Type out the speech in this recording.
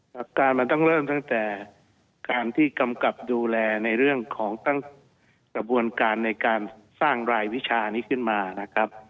หลักการมันต้องเริ่มตั้งแต่การที่กำกับดูแลในเรื่องของตั้งกระบวนการในการสร้างรายวิชานี้ขึ้นมานะครับ